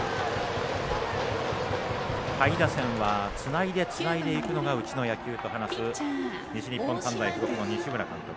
下位打線はつないで、つないでいくのがうちの野球と話す西日本短大付属の西村監督。